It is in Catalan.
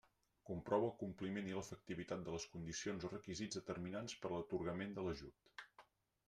Comprova el compliment i l'efectivitat de les condicions o requisits determinants per a l'atorgament de l'ajut.